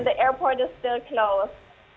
dan airport masih dekat